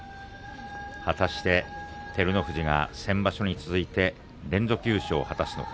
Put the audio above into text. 果たして照ノ富士が先場所に続いて連続優勝を果たすのか。